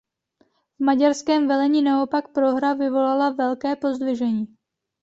V maďarském velení naopak prohra vyvolala velké pozdvižení.